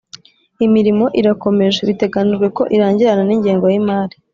Imirimo irakomeje biteganijwe ko irangirana n ingengo y imari